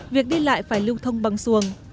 việc đi lại phải lưu thông bằng xuồng